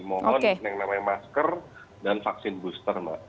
mohon yang namanya masker dan vaksin booster mbak